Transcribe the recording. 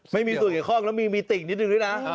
ไม่มีส่วนเกี่ยวข้องแล้วมีติ่งนิดนึงด้วยนะ